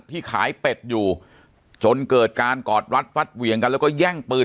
ที่ขายเป็ดอยู่จนเกิดการกอดรัดฟัดเหวี่ยงกันแล้วก็แย่งปืน